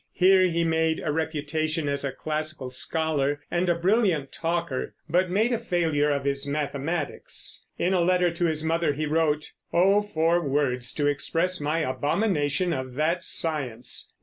Here he made a reputation as a classical scholar and a brilliant talker, but made a failure of his mathematics. In a letter to his mother he wrote: "Oh for words to express my abomination of that science....